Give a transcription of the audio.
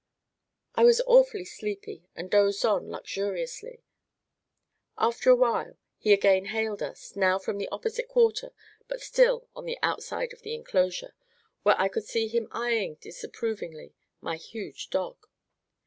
I was awfully sleepy and dozed on luxuriously. After a while he again hailed us, now from the opposite quarter, but still on the outside of the enclosure, where I could see him eyeing disapprovingly my huge dog.